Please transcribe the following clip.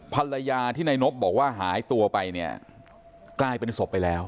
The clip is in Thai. ภรรยาที่นายนบบอกว่าหายตัวไปเนี่ยกลายเป็นศพไปแล้ว